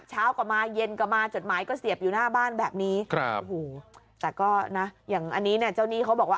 เช้าก็มาเย็นก็มาจดหมายก็เสียบอยู่หน้าบ้านแบบนี้ครับโอ้โหแต่ก็นะอย่างอันนี้เนี่ยเจ้าหนี้เขาบอกว่า